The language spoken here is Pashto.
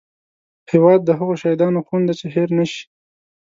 هیواد د هغو شهیدانو خون دی چې هېر نه شي